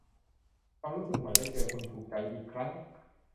ความรู้สึกใหม่ ได้เจอคนถูกใจอีกครั้ง